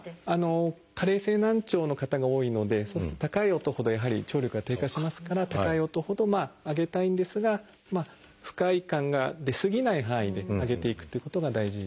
加齢性難聴の方が多いのでそうすると高い音ほどやはり聴力が低下しますから高い音ほど上げたいんですが不快感が出過ぎない範囲で上げていくということが大事ですね。